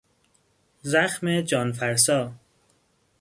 زخم جانفرسا